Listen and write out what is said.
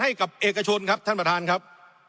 ให้กับเอกชนครับท่านประธานครับ